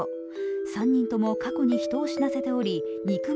３人とも過去に人を死なせており憎む